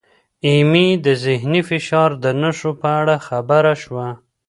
ایمي د ذهني فشار د نښو په اړه خبر شوه.